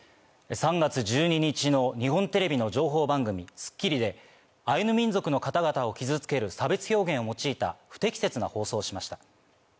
３月１２日の日本テレビの情報番組『スッキリ』で、アイヌ民族の方々を傷つける差別表現を用いた不適切な放送をしました。